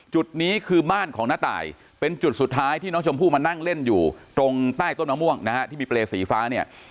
จุดนี้คือบ้านของน้าตายเป็นจุดสุดท้ายที่น้องชมพู่มานั่งเล่นอยู่ตรงใต้ต้นมะม่วงนะฮะที่มีเปรย์สีฟ้าเนี่ย